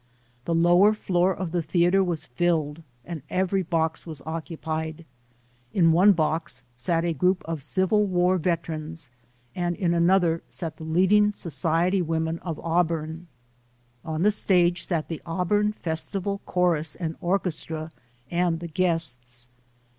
The lower floor of the theatre was filled and every box was occupied. In one box sat a group of Civil War veterans and in another sat the leading so ciety women of Auburn. On the stage sat the Auburn Festival Chorus and Orchestra and the guests.